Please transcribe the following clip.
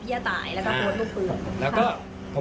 พี่ห้าตายแล้วก็โพสต์ลูกคืน